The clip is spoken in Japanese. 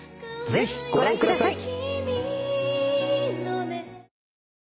ぜひご覧ください。